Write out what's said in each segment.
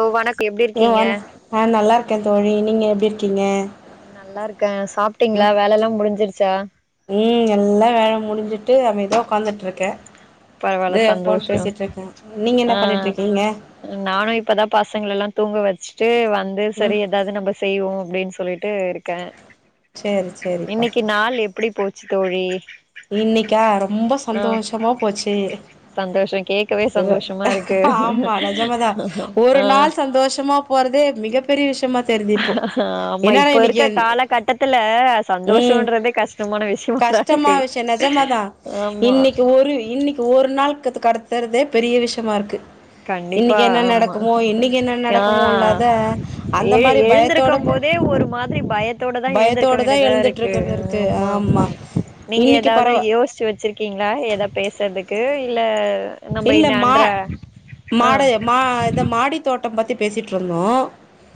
ஆ வணக்க எப்டி இருக்கீங்க அ நல்லாருக்கே தோழி நீங்க எப்டி இருக்கீங்க அ நல்லா இருக்கே சாப்ட்டீங்ளா ம் வேலலா முடிஞ்சிருச்சா ம் எல்லா வேல முடிஞ்சுட்டு அமைதியா ஒக்காந்துட்ருக்கே பரவால்ல எ ஃபோன் சந்தோஷோ பேசிட்ருக்கே நீங்க என்ன பண்ணிட்ருக்கீங்க அ நானு இப்பதா பசங்களலா தூங்க வெச்சுட்டு வந்து செரி ம் எதாவ்து நம்ப செய்வோ அப்டின் சொல்லிட் ட்டு இருக்கே சேரி சேரிப்பா இன்னைக்கு நாள் எப்டி போச்சு தோழி இன்னைக்கா ரொம்ப ஆ சந்தோஷமா போச்சு சந்தோஷோ கேக்கவே செரி சந்தோஷமா இருக்கு ஆமா நெஜமாதா ஒரு ஆ நாள் சந்தோஷமா போறதே மிகப் பெரிய விஷ்யமா தெரிய் ஆமா இப்ப இருக்க காலகட்டத்துல ம் சந்தோஷன்றதே கஷ்டமான விஷ்யோ கஷ்டமா விஷ்ய நெஜமா தா இன்னைக்கு ஒரு இன்னைக்கு ஒரு நாள் கத்து கடத்தற்தே பெரிய விஷ்யமா இருக்கு கண்டிப்பா இன்னைக்கு என்ன ஆமா நடக்குமோ இன்னைக்கு என்ன ஆ நடக்குமோ இல்லாத அந்த மாரி பயத்தோட போறோ வே ஒரு மாதிரி பயத்தோடதா எழுந்திருக்க தான் வேண்டியதா எழுந்துட்டு இருக்கு இருக்கிறது இருக்கு ஆமாம்மா ஆமா நீங்க இன்னைக்கு எதாவ்து பரவ யோசுச்சு வெச்சுருக்கீங்ளா எதா பேசுறதுக்கு இல்ல இந்த மாரி நன்றா மாடு மா இத மாடி தோட்டம் பத்தி பேசிட்ருந்தோ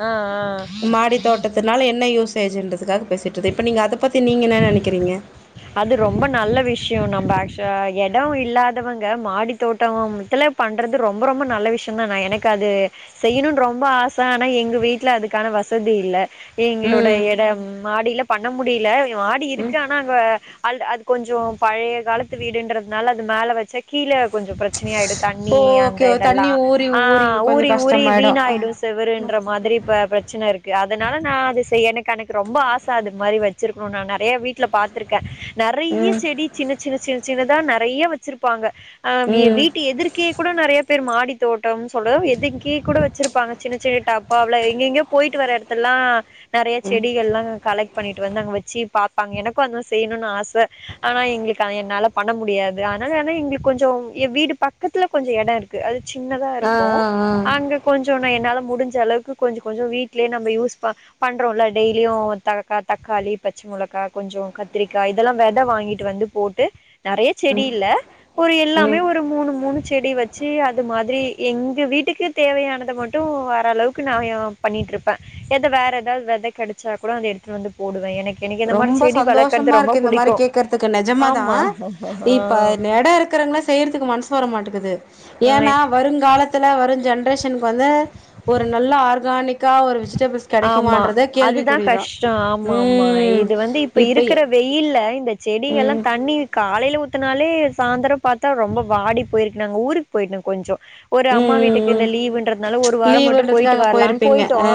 ஆ ஆ மாடி தோட்டத்த த்தனால என்ன யூசேஜுன்றதுக்காக பேசிட்ருந்தோ இப்ப நீங்க அத பத்தி நீங்க என்ன நெனைக்கிறீங்க அது ரொம்ப நல்ல விஷ்ய நம்ப ஆக்சுவலா எடோ இல்லாதவங்க மாடி தோட்டமித்துல பண்றது ரொம்ப ரொம்ப நல்ல விஷ்யந் தா நா எனக்கு அது செய்யணுன் ரொம்ப ஆச ஆனா எங்க வீட்ல அதுக்கான வசதி இல்ல எங்களோட ம் எடம் மாடில பண்ண முடிய்ல மாடி ம் இருக்கு ஆனா அங்க அல் அது கொஞ்ச பழைய காலத்து வீடுன்றதுனால அது மேல வச்சா கீழ கொஞ்ச பிரச்சனயாயிடு தண்ணி அந்த ஓகே இதெல்லா தண்ணி ஊறி ஆ கொஞ்சோ ஊறி ஊறி கஷ்டமாயிடு அ வீணாயிடு செவருன்ற மாதிரி ப பிரச்சன இருக்கு அதனால நா அது செய்ய எனக்கு எனக்கு ரொம்ப ஆச அது மாரி வச் சுருக்கணுனு நா நெறையா வீட்ல பார்த்திருக்கே நெறைய ம் செடி சின்ன சின்ன சின்ன சின்னதா நெறையா வச்சிருப் ப்பாங்க அ எ ம் வீட்டு எதிர்க்கே கூட நெறையா பேரு மாடி தோட்டம்னு சொல்லுவோ எது கீ கூட வெச்சிருப்பாங்க சின்ன சின்ன டப்பாவ்ல எங்கெங்கயோ போயிட்டு வர எடத்தெல்லா நெறைய ம் செடிகள்லா கலெக்ட் பண்ணிட்டு வந்து அங்க வெச்சு பாப்பாங்க எனக்கு அதெல்லா செய்யணுனு ஆச ஆனா எங்களுக்கு என்னால பண்ண முடியாது அதனால ஆனா எங்களுக்கு கொஞ்ச வீடு பக்கத்துல கொஞ்ச எட இருக் கு அது சின்னதா ஆ இருக்கு ஆ ஆ அங்க கொஞ்ச நா என்னால முடிஞ்ச அளவுக்கு கொஞ்ச கொஞ்ச வீட்லே நம்ம யூஸ் ப பண்றோல டெய்லியு தறக்கா தக்காளி பச்ச மொளகா கொஞ்ச கத் த்திரக்கா இதெல்லா வெதை வாங்கிட்டு வந்து போட்டு நெறைய செடி ம் இல்ல ஒரு எல்லாமே ம் ஒரு மூணு மூணு செடி வச் சு அது மாதிரி எங்க வீட்டுக்கு தேவையானது மட்டு வர அளவுக்கு நா எ பண்ணிட்ருப்பே எது வேற எதாவ்து வெத கெடைச்சா கூட எடுத்து வந்து போடுவே எனக்கு எனக்கு இந்த மாரி செடி வளக் க்கமா இருக்கு இந்த மாரி கேக்கற்துக்கு நெஜமா தா ஆ இப்ப எட் இருக்குறங்கலா செய்யற்துக்கு மனசு வரமாட்டுக்குது ஆ ஏனா வருங்காலத் த்துல வரு ஜென்ரேஷனுக்கு வந்து ஒரு நல்ல ஆர்கானிக்கா ஒரு வெஜ் வெஜிடபிள்ஸ் ஆமா கெடைக்குமான்றதே அதுதா கேள்விக்குறிதா கஷ்டோ ஆமா ஆமா ம் இது வந்து இப்ப இருக்குற வெயில்ல இந்த செடிங்கெல்லா ம் தண்ணி காலையில ஊத்துனாலே சாந்தரம் பாத்தா ரொம்ப வாடி போயிருக்கு நாங்க ஊருக்கு போயிட்டோ கொஞ்சோ ஒரு அம்மா ம் ம் வீட்டுக்கு ம் இந்த லீவுன்றதுனால ஒரு வாரோ மட்டு போயிட்டு லீவுன்றதுக்காக வரலான் போயிருப்பீங்க போயிட்டோ அ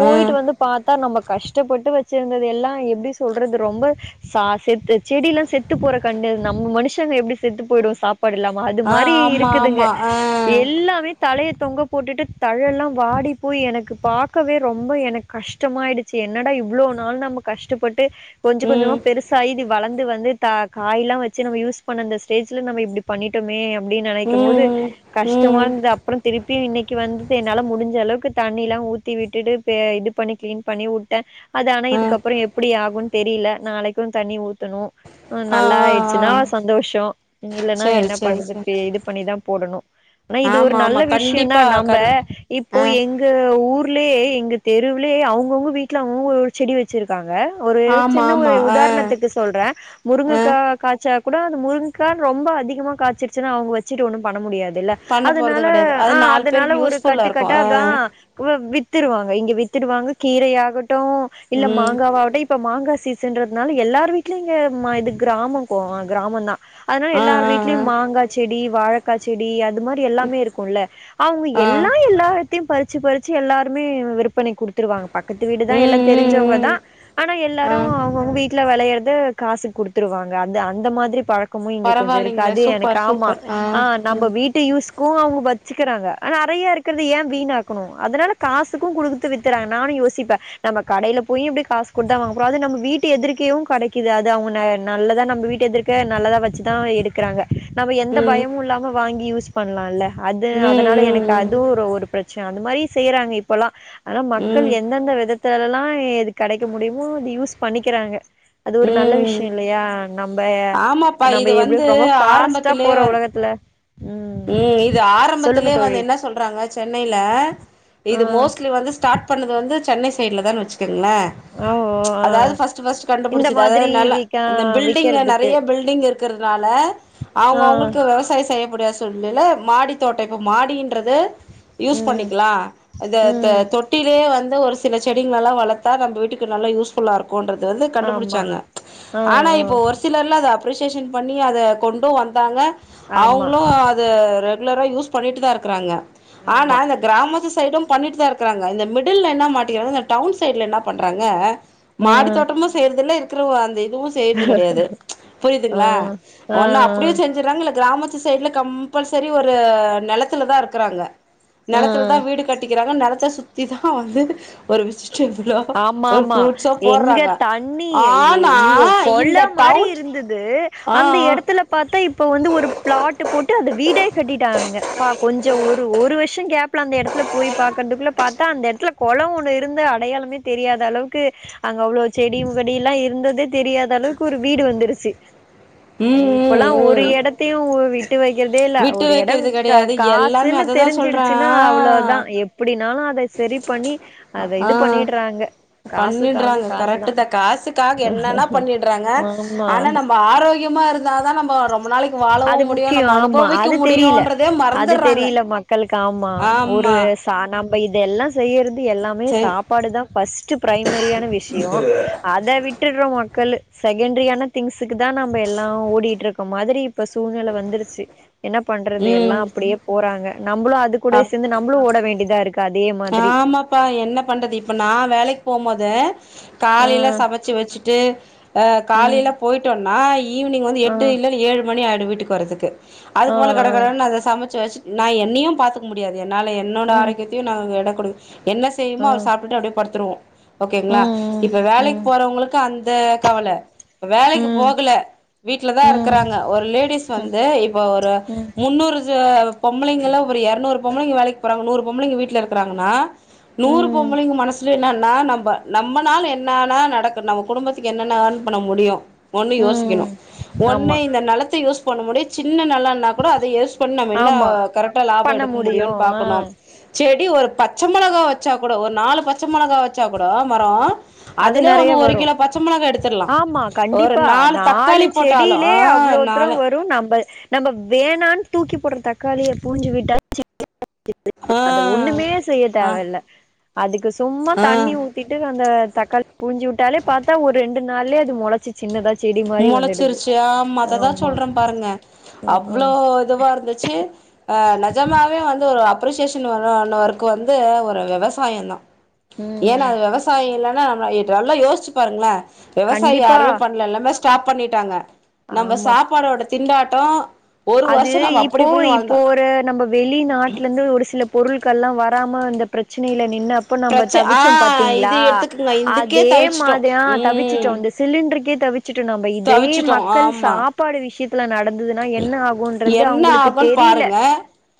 போயிட்டு அ வந்து பாத்தா நம்ம கஷ்டப்பட்டு வச்சிருந்தது எல்லா எப்பிடி சொல்றது ரொம்ப ச செத்து செடில்லா செத்து போற கண்டது நம்ம மனுஷங்க எப்பிடி செத்து போய்டுவோ சாப் பாடுல்லாமா அது ஆ மாரி ஆமா இருக்குதுங்க ஆமா ஆ எல்லாமே தலைய தொங்க போட்டுட்டு தலயெல்லா வாடி போய் எனக்கு பாக்கவே ரொம்பவே எனக்கு கஷ்டமாயிடுச்சு. என்னடா இவ்ளோவு நாள் நம்ம கஷ்டப்பட் டு கொஞ்சோ கொஞ்சமா ம் பெருசாயி இது வளந்து வந்து தா காயெல்லா வச்சு நம்ம யூஸ் பண்ணந்த ஸ்டேஜ்ல நம்ம இப்டி பண்ணிட்டோமே அப்டி நெனைக்கும்போது ம் ம் கஷ்டமாருந்து அப்பறம் திருப்பி இன்னைக்கி வந்து என்னால முடிஞ்சளவுக்கு தண்ணியெல்லா ஊத்தி விட்டுட்டு பே இது பண்ணி கிளீன் பண்ணி உட்டே அது ஆனா ஆ இதுக்கு அப்றோ எப்பிடி ஆகு தெரியல நாளைக்கியு தண்ணி ஊத்தணு அ ஆ ஆ ஆ நல்லாயிடுச்சுன்னா சந்தோஷோ இல்லன்னா சேரி என்ன சேரி பண்றது சேரி இது பண்ணிதா போடணு ஆனா இது ஒரு ஆமா நல்ல ஆமா விஷ்யோ தா கண்டிப்பா நம்ப கண் இப்போ ஆ எங்க ஊர்லயே எங்கு தெருவுலே அவங்கவுங்க வீட்ல அவுங்கவுங்க செடி வச்சிருக்காங்க ஒரு ஆமா சின்ன ஆமா ஆ உதாரணத்துக்கு சொல்றே ஆ முருங்கக்கா காய்ச்சா கூட அந்த முருங்கக்கா ரொம்ப அதிகமா காய்ச்சிருச்சுன்னா அவங்க வச்சிட்டு ஒன்னு பண்ண முடியாதுல பண்ண போறது அதனால கெடையாது அது ஆ நாலு அதனால பேருக்கு ஒரு யூஸ்ஃபுல்லா கட்டு இருக்கு கட்டா ஆ தா உவ வித்துருவாங்க இங்க வித்துருவாங்க கீரலயாகட்டு இல்ல ம் மாங்காவாகட்டு இப் ப மாங்கா சீசன்றதுனால எல்லார் வீட்லயு [unintelligible] இருக்கற இது கிராமம் போவ கிராமம் தா அதனால ஆ எல்லாரு ஆ ஆ வீட்லயு மாங்கா செடி வாழ காய் செடி அது மாரி எல்லாமே இருக்குள்ள அவுங்க ஆ எல்லா எல்லாத்தையு பறிச்சு பறிச்சு எல்லா த்துமே விற்பனைக் குடுத்துருவாங்க பக்கத்து வீடுதா எல்லா ம் ம் தெரிஞ்சவங்க தா ம் ஆனா ஆ எல்லாரு அவுங்கவுங்க வீட்ல வெளையறத காசுக்கு குடுத்துருவாங்க. அது அந்த மாதிரி பழக் க்குமே இங்க கொஞ்சோ பரவாயில்லைங்களே இருக்காது எனக்கு சூப்பர் ஆமா சூப்பர் ஆ நம்ம ம் வீட் ட்டு யூஸ்க்குவாவு வச்சிகிறாங்க ஆனா நறைய இருக்கறது ஏ வீணாக்கணு? அதனால காசுக்கு குடுத்து வித்தறன் நானு யோசிப்பே நம்ம கடையில போய் இப்டி காசு குடுத்தா வாங்க போறோ அது நம்ம வீட்டு எதிரிக்கேவு கடைக்கிது அது அவங்க ந நல்லதா நம்ம வீட்டு எதிர் க நல்லத வச்சுதா எடுக்குறாங்க நம்ம எந்த ம் பயமு இல்லாம வாங்கி யூஸ் பண்லால்ல அது அதனால எனக்கு ம் அது ஒரு ஒரு பிரச் சனை அந்த அது மாரி செய்றாங்க இப்பலா ஆனா மக்கள் ம் ம் எந்தெந்த விதத்துலல்லா எது கெடைக்க முடியுமோ அது யூஸ் பண்ணிக்கிறாங்க. அது ஒரு நல்ல ம் விஷ்யோ ம் இல்லையா? நம்ப ஆமாப்பா நம்ப இது எவளோ வந்து ரொம்ப ஃபாஸ்ட்டா போறோ ஒலகத்துல ஏ இது ஆரம்பத்திலேயே வந்து தோழி என்ன சொல்றாங்க சென்னையில ஆ இது மோஸ்ட்லி வந்து ஸ்டார்ட் பண்ணது வந்து சென்னை சைடில் தா வச்சுக்கேங்ளே ஓ ஆ அதாவது ஃபர்ஸ்ட் ஃபர்ஸ்ட் இந்த கண்டுபிடிச்சது அதாவது மாதிரி நல்லா விக்க இந்த பில்டிங் விக்கிறதுக்கு நறைய பில்டிங் இருக்கறதுனால ஆ அவங்க அவங்களுக்கு விவசாயம் செய்ய க்கூடியா சூல்நெலே மாடி தோட்டோ இப்போ மாடின்றது யூஸ் ம் பண்ணிக்கலா த த ம் தொட்டிலேயே வந்து ஒரு சில செடிங்களெல்லா வளத்தா நம்ம வீட்டுக்கு நல்ல யூஸ்ஃபுல்ல இருக்கு போன்றதுலந்து ஆமா கண்டுபிடிச்சாங்க ஆ ஆனா ஆ இப்போ வருஷ் சிட்டிலல்லா அத அப்ரிசியேஷன் பண்ணி அத கொண்டு வந்தாங்க ஆமா அவங்களு து ரெகுலரா யூஸ் பண்ணிட்டு தா இருக்கறாங்க ஆனா ஆமா இந்த கிராமத்து சைடும் பண்ணிட்டு தான் இருக்குறாங்க இந்த மிடில்ல என்ன மாட்டிக்கிறாங்க இந்த டவுன் சைடுல என்ன பண்றாங்க மாடி ம் தோட்டமும் செய்யறதுல்ல இருக்கிற அந்த இதுவும் செய்றது கெடையாது ஆ புரியுதுங்களா ஆ ஒண்ணு அப்டியும் செஞ்சறாங்க இல்ல கிராமத் த்து சைடுல கம்பள்சரி ஒரு நெலத்துல தா இருக்குறாங்க ஆ நெலத்துல தான் வீடு கட்டிக்கிறாங்க நிலத்த சுத்தி தான் வந்து ஒரு விஷ் ஆமா ஆமா எங்க தண்ணி ஆனா இவ கொள இந்த டவுன் மாதிரிருந்தது து ஆ அந்த ஆ இடத்துல பாத்தா இப்ப வந்து ஒரு ப்ளாட் டு போட்டு அத வீடே கட்டிட்டானுங்கப்பா கொஞ்சோ ஒரு ஒரு வஷ் த்தும் கேப்ல அந்த எடத்துல போய் பாக்கிறதுக்குள்ள பாத்தா அந்த எடத்துல கொளம் ஒண்ணு இருந்த அடையாளமே தெரியாத அளவுக்கு அங்க அவ்ளோ செடி கொடி எல்லா இருந்தது தெரியாத அளவுக்கு ஒரு வீடு வந்துருச்சு ம் ம் இப்பல்லாம் ஒரு ம் இடத்தையும் விட் டு வெக்கிறதேல்ல விட்டு ஒரு எடம் வைக்கிறது கெடையாது எல்லாமே காசுன்னு அததா சொல்றே தெரிஞ்சிடுச்சுன்னா ஆ அவ்ளோதான் எப் அப்படினாலும் அத சரி பண்ணி அத இது பண்ணி பண்ணிடுறாங்க கரெக்ட் தான் காசுக்காக என்னன்னா பண்ணிடுறாங்க ஆனா ஆமா நம்ம ஆரோக்கியமா இருந்தா தா நம்ப ரொம் ரொம்ப நாளைக்கு அது வாழவும் முடியு முக்கியோ நம்ம ஆமா அனுபவிக்க அது தெரியல முடியுன்றதே அது மறந்துடுறாங்க தெரியல மக்களுக்கு ஆமாம் ஒரு ச நம்ம இதெல்லாம் செய்யறதே எல்லாமே சே சாப்பாடு தான் ஃபர்ஸ்ட்டு ப்ரைமரியான விஷ்யோ அத விட்டுடுறோ மக்கள் செகண்டரியான திங்ஸுக்கு தா நம்ம எல்லா ஓடிட்டுருக்க மாதிரி இப்ப சூழ்நிலை வந்துருச்சு என்ன பண்றது எல்லாம் ம் அப்டியே போறாங்க நம்மளும் அது கூட அப் சேந்து நம்ளும் ஓட வேண்டியதா ருக்கு ஆமாப்பா என்ன பண்றது இப்ப நா வேலைக்கு போம் போதே ஆ காலைல சமச்சி வச்சுட்டு ஆ ம் காலைல போயிட்டோம்னா ஈவினிங் வந்து ஆ எட்டு இல்லன்னு ஏழு மணி ஆயிடும் வீட்டுக்கு வர்றதுக்கு ஆ ஆ அதுக்கு மேல கடகடன்னு அத சமச்சு வச்சு நா என்னையு பாத்துக கும் முடியாது என்னால என்னோட ம் ஆரோக்கயதையும் நா எட கொடு என்ன செய்யுமோ ஆ அவர் சாப்ட்டு அப்டியே படுத்துடுவோ ஓகேங்களா ம் இப்ப வேலக்கி ம் போறவங்களுக்கு அந்த கவல இப்ப வேலக்கீ ம் போகல வீட்லதா ம் இருக்கறாங்க ஒரு லேடிஸ் வந்து இப்ப ஒரு ம் முன்னூறு பொம்பளைங்களா ஒரு எரநூறு பொம்பளைங்க வேலக்கீ போறாங்க நூறு பொம்பளைங்க வீட்ல இருக்குறாங்கன்னா நூறு ம் ம் பொம்பளைங்க மனசுல என்னன்னா நம்ப நம்மனால என்னன்னா நடக்கும் நம்ம குடும்பத்துக்கு என்னன்ன யேர்ன் பண்ண முடியு ஒண்ணு யோசிக்கணு ம் ஒண்ணு ஆமா இந்த நெலத்த யூஸ் பண்ண முடிய சின்ன நெலோ நா கூட அத யோஸ் பண்ணி நம்ம என்ன ஆமா கரெக்டா லாபோ பண்ண எடுக்க முடியு முடியும்னு ஆ பாக்கணு செடி ஒரு பச்ச மொளகா வச்சா கூட ஒரு நாலு பச்ச மொளகா வச்சா கூட மரோ அது அதுலே நெறைய வந்து ஒரு வரும் கிலோ பச்ச மொளகா எடுத்துர்லா ஆமா ஒரு கண்டிப்பா நாலு தக்காளி போட்டாலு செடில்லே ஆ அவ்வளோவுத்துரம் நாலு வரும் நம்ம நம்ம வேணான்னு தூக்கி போடுற தக்காளிய பூஞ்சு விட்டாலே செடியா வந்திருது ஆ அத ஒண்ணுமே செய்ய ஆ தேவயில்ல அதுக்கு சும்மா ஆ தண்ணி ஊ ட்டுன்னு அந்த தக்காளி பூஞ்சி விட்டாலே பாத்தா ஒரு ரெண்டு நாளே அது முளச்சி சின்னதா செடி மாரி வந்துடுது முளச்சிருச்சு ஆமா அததான் ஆமா சொல்றேன் பாருங்க ம் அவ்ளோ ம் இதுவா இருந்துச்சு ஆ நெஜமாவே வந்து ஒரு அ அப்ரிசிசேஷன் வர்ற அள ஒர்க்க்கு வந்து ஒரு விவசாயந் தான் ஏன்னா ம் அது விவசாயோ இல்ன்னா நம்ம நல்லா யோசிச்சு பாருங்களேன் விவசாயி கண்டிப்பா யாருமே பண்ண இல்ல எல்லாமே ஸ்டாப் பண்ணிட்டாங்க நம்ம ஆமா சாப்பாடோட திண்டாட்டம் அது இப்போ இப்போ ஒரு நம்ம வெளிநாட்ல இருந்து ஒரு சில பொருட்கள் எல்லா வராம இந்த பிரச்சனையில நின்ன அப் ப நம்ம பிரச்ச ஆ தவிச்சோ இது பா்த்தீங்களா எடுத்துக்குங்க இதுக்கே அதே தவிச்சுட்டோ மாதிரியான் தவிச்சுட்டோ ம் வந்து சிலிண்டருக்கே தவிச்சுட்டு நம்ப இதே தவிச்சுட்டோ மக்கள் ஆமா சாப்பாடு விஷயத்துல நடந்ததுன்னா என்ன ஆ குன்றது என்ன அவங்களுக்கு ஆகுன் தெரியல பாருங்க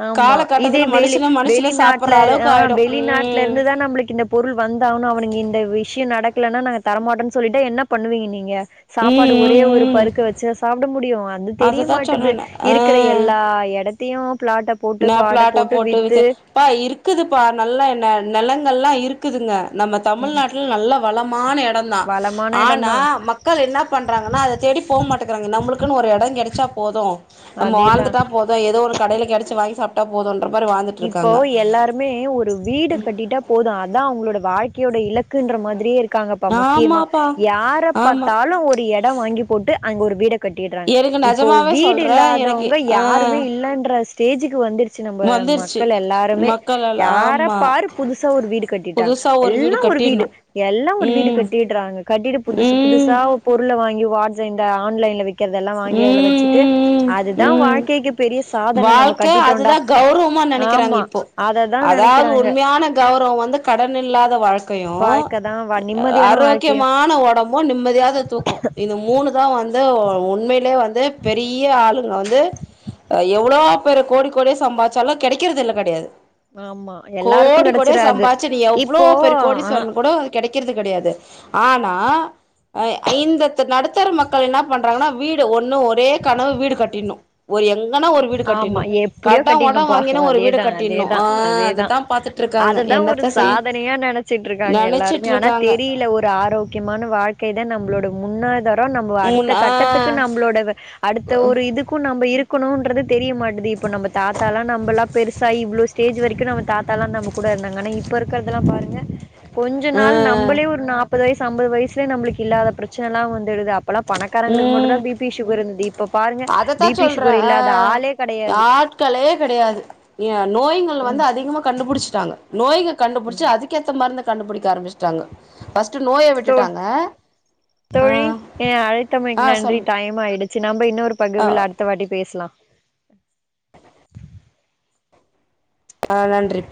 ஆமா இதே காலகட்டத்துல வெளி மனுஷன மனுஷன வெளிநாட்டுல சாப்புட்ற அளவுக்கு ஆ ஆயிடு வெளிநாட்டுல ம் இருந்துதா நம்மளுக்கு இந்த பொருள் வந்தாகன்னு அவனுங்க இந்த விஷ்யோ நடக்கலன்னா நாங்க தரமாட்டோன்னு சொல்லிட்டா என்ன பண்ணுவீங்க நீங்க சாப்பாடு ம் ஒரே ம் ஒரு ம் பருக்க வச்சா சாப்பிட முடியு அது தெரிய அததா மாட்டுது சொன்னனே இருக்கிற எல்லா இடத்தையு பிளாட்ட என்ன பிளாட்டா போட்டு வித்து பா இருக்குதுப்பா நல்ல என் நிலங்கள்லா இருக் குதுங்க நம்ம தமிழ்நாட்ல நல்ல வளமான இடம் தா வளமான ஆனா எடந்தா மக் மக்கள் என்ன பண்ணுறாங்கன்னா அத தேடி போக மாட்டேங்கிறாங்க நம்மளுக்குன்னு ஒரு இடோ கெடச்சா போதும் நம்ம அதேதா வாழ்ந்துட்டா போதும் ஏதோ ஒரு கடையில கிடைச்ச வாங்கி சாப்பிட்டா போதும்ன்ற மாதிரி வாழ்ந்துட் இப்போ எல்லாருமே ஒரு வீடு கட்டிட்டா போது அதா அவங்களோட வாழ்க்கையோட இலக் குன்ற மாதிரியே இருக்காங்கப்பா முக்கியமா ஆமாப்பா யாரை ஆமா பார்த்தாலு ஒரு இடோ எடம் வாங்கி போட்டு அங்க ஒரு வீட கட்டிடுறாங்க எனக்கு இப்போ நெஜமாவே வீடு சொல்றே எனக்கு இல்லாதவங்க ஆ யாருமே இல்லன்ற ஸ்டேஜுக்கு வந்துடுச்சு நம்ம ம வந்துருச்சு மக்கள் எல்லாருமே மக்கள் எல்லா யார ஆமா பாரு புதுசா ஒரு வீடு கட்டிட்டாங்க எல்லா ஒரு வீடு எல்லாம் ஒரு வீடு ம் கட்டிடுறாங்க கட்டிட்டு புதுசு புதுசா ம் பொருளை வாங்கி வாட்ஸ் இந்த ஆன்லைன்ல வி க்கிறதெல்லா ம் வாங்கி அதுல வச்சுட்டு ம் அதுதா ம் ம் வாழ்க்கைக்கு பெரிய சாதனை நம்ம கட்டிட்டோம்டா நிக்கிறாங்க இப்போ அதாவது நெனைக்கிறாங்க உண்மையான கௌரவம் வந்து கடன் இல்லாத வாழ்க்கையு தா நிம்மதியான வாழ் முக்கியமான உடம்பும் நிம்மதியாத தூக்கும் இந்த மூணு தா வந்து ஒ ஒன்னு உண்மையிலே வந்து பெரிய ஆளுங்க வந்து எவ்வளோ பேர் கோடி கோடியே சம்பாச்சாலு கிடைக்கிறது இல்ல கிடையாது ஆமா எல்லாருக்கு கோடி கோடியா கெடச்சிராது சம்பாச்சு நீ எவ்வளோ இப்போ பெரு ஆ கோடிஸ்வரன்னு கூட கெடைக்கிறது கெடையாது ஆனா அ இந்த நடுத்தர மக்கள் என்ன பண்றாங்கன்னா வீடு ஒன்னு ஒரே கனவு வீடு கட்டிடணு ஒரு எங்கன்னா ஒரு வீடு ஆமா கட்டிடணும் எப்டியோ கட உட கட்டிட்னோப்பா வாங்கினா ஒரு வீடு அதேதா கட்டிட்ணும் அ அததா பாத்துட் அததா ஒரு சாதனையா நெனைச்சிட்டு இருக்காங்க எல்லாருமே நெனச்சிட்டு ஆனா இருக்காங்க தெரியல ஒரு ஆரோக் முக்கியமான வாழ்க்கை தா நம்மளோட முன்னாதரம் நம்ம முன் அடுத்த ஆ கட்டத்துக்கு நம்மளோட அடுத்த ஒரு இதுக்கும் நம்ம இருக்கணும்ன்றது தெரிய மாட்டது இப்ப நம்ம தாத்தாலா நம்மளா பெருசாயி இவ்ளோ ஸ்டேஜ் வரைக்கு நம்ம தாத்தாலா நம்ம கூட இருந்தாங்க ஆனா இப்ப இருக்கறதெல்லா பாருங்க கொஞ்ச ஆ நாள் நம்மளே ஒரு நாற்பது வயசு ஐம்பது வயசுலே நம்மளுக்கு இல்லாத பிரச்சனைல்லா வந்துடுது அப் பல்லாம் பணக்காரங்களுக்கு மட்டுந்தா ம் பி பி சுகர் இருந்தது இப்ப பாருங்க பி பி சுகர் இல்லாத அ ஆளே கெடையாது. ஆட்களே கிடையாது நோய்கள் வந்து ம். அதிகமா கண்டுபிடிச்சுட்டாங்க நோய்க கண்டுபிடிச்சு ம். அதுக்கு ஏத்த மருந்த கண்டுபிடிக்க ஆரம்பிச்சுட்டாங்க பஸ்ட் நோய தோ விட்டுட்டாங்க அ ஆ தோழி ஏ அழைத்தமைக்கு ஆ நன்றி சொல்லு டைம் ஆயிடுச்சு நம்ம இன்னொரு பகிர்வுல அடுத்த வாட்டி பேசலா ஆ நன்றி